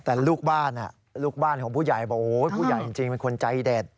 แต่ลูกบ้านลูกบ้านของผู้ใหญ่บอกโอ้ยผู้ใหญ่จริงเป็นคนใจเด็ด